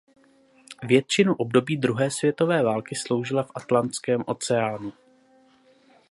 Většinu období druhé světové války sloužila v Atlantském oceánu.